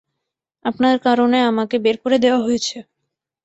আপনার কারণে আমাকে বের করে দেওয়া হয়েছে।